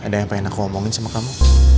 ada yang pengen aku ngomongin sama kamu